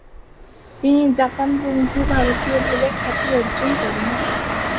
তিনি জাপান-বন্ধু ভারতীয় বলে খ্যাতি অর্জন করেন।